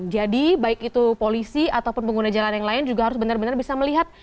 jadi baik itu polisi ataupun pengguna jalan yang lain juga harus benar benar bisa melihat